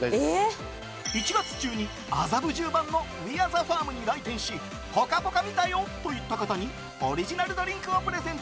１月中に麻布十番のＷＥＡＲＥＴＨＥＦＡＲＭに来店し「ぽかぽか見たよ」と言った方にオリジナルドリンクをプレゼント。